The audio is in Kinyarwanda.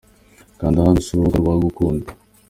Kanda hano usure urubuga rwa Gukunda.